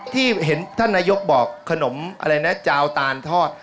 ที่เห็นท่านนายกบอกขนมอะไรนะจาวตานทอด